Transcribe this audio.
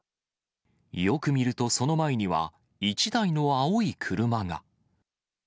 よく見るとその前には、１台の青い車が。